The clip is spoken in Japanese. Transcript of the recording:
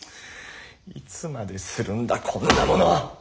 いつまでするんだこんなもの！